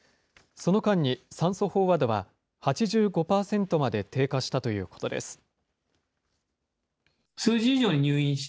その間に酸素飽和度は８５％まで低下したということです。